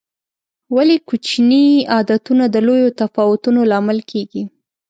ولې کوچیني عادتونه د لویو تفاوتونو لامل کېږي؟